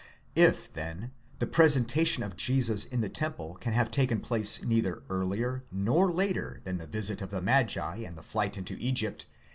* If, then, the presentation of Jesus in the temple can have taken place: neither earlier nor later than the visit of the magi and the flight into Egypt